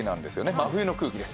真冬の空気です。